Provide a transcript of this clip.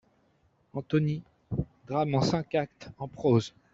=Antony.= Drame en cinq actes en prose.